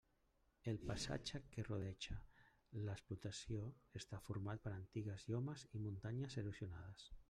El paisatge que rodeja l'explotació està format per antigues llomes i muntanyes erosionades.